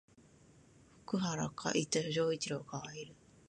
藤原丈一郎はかわいい